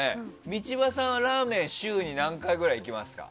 道場さんはラーメン週に何回くらい行きますか？